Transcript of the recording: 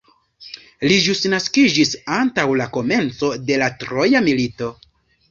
Li ĵus naskiĝis antaŭ la komenco de la troja milito.